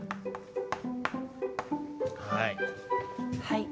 はい。